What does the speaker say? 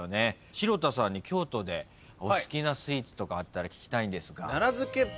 城田さんに京都でお好きなスイーツとかあったら聞きたいんですが。